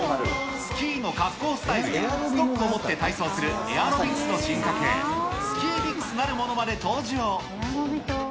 スキーの滑降スタイルやストックを持って体操する、エアロビクスの進化系、スキービクスなるものまで登場。